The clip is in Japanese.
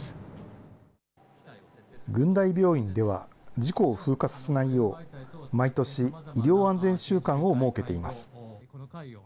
事故を風化させないよう、毎年、医療安全週間を設けています。